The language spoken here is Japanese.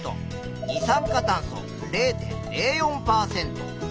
二酸化炭素０．０４％。